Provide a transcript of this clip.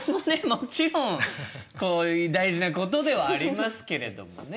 もちろん大事なことではありますけれどもね。